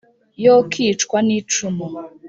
yo kicwa n'icumu